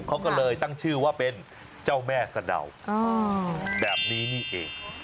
เขาก็เลยตั้งชื่อว่าเป็นเจ้าแม่สะเดาแบบนี้นี่เอง